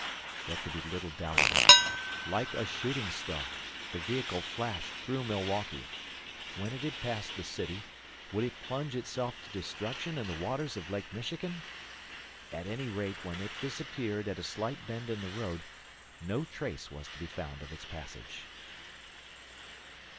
There could be little doubt of it. Like a shooting star, the vehicle flashed through Milwaukee. When it had passed the city, would it plunge itself to destruction in the waters of Lake Michigan? At any rate when it disappeared at a slight bend in the road no trace was to be found of its passage.